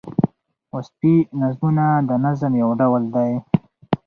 وصفي نظمونه د نظم یو ډول دﺉ.